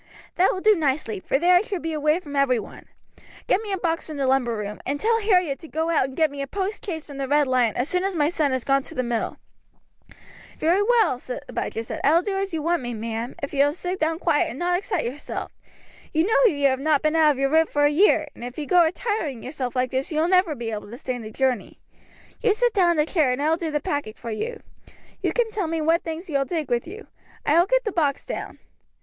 That will do nicely, for there I should be away from every one. Get me a box from the lumber room, and tell Harriet to go out and get me a post chaise from the Red Lion as soon as my son has gone to the mill." "Very well," Abijah said. "I will do as you want me, 'm, if you will sit down quiet and not excite yourself. You know you have not been out of your room for a year, and if you go a tiring yourself like this you will never be able to stand the journey. You sit down in the chair and I will do the packing for you. You can tell me what things you will take with you. I will get the box down."